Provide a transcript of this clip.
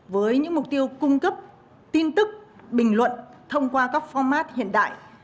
với những mục tiêu cung cấp tin tức bình luận thông qua các format hiện đại